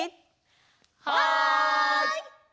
はい！